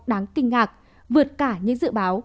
đáng kinh ngạc vượt cả những dự báo